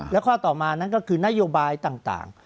และข้อต่อมานั้นก็คือนโยบายต่าง